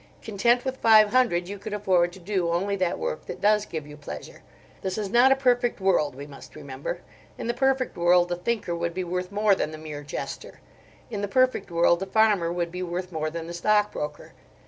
Content with five hundred, you could afford to do only that work that does give you pleasure. This is not a perfect world, we must remember. In the perfect world the thinker would be worth more than the mere jester. In the perfect world the farmer would be worth more than the stockbroker.